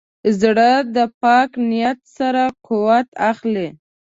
زړه د پاک نیت سره قوت اخلي.